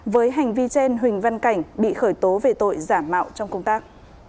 với hành vi trên huỳnh văn cảnh bị khởi tố về tội giả mạo trong công tác